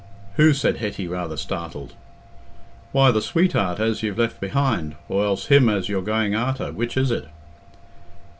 "Who?" said Hetty, rather startled. "Why, the sweetheart as you've left behind, or else him as you're goin' arter—which is it?"